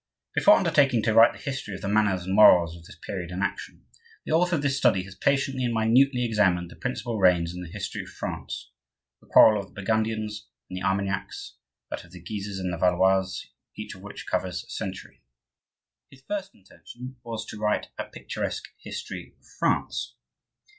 Before undertaking to write the history of the manners and morals of this period in action, the author of this Study has patiently and minutely examined the principal reigns in the history of France, the quarrel of the Burgundians and the Armagnacs, that of the Guises and the Valois, each of which covers a century. His first intention was to write a picturesque history of France.